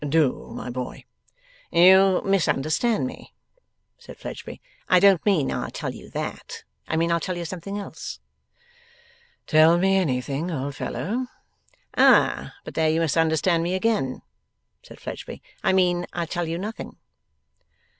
'Do, my boy.' 'You misunderstand me,' said Fledgeby. 'I don't mean I'll tell you that. I mean I'll tell you something else.' 'Tell me anything, old fellow!' 'Ah, but there you misunderstand me again,' said Fledgeby. 'I mean I'll tell you nothing.